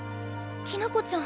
きな子ちゃん。